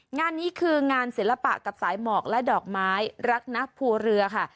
งานนี้คืองานศิลปะกับสายหมอกและดอกไม้รักนับภูเรือค่ะ